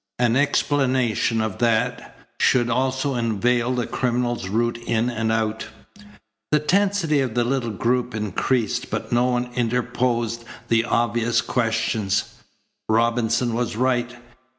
An explanation of that should also unveil the criminal's route in and out. The tensity of the little group increased, but no one interposed the obvious questions. Robinson was right.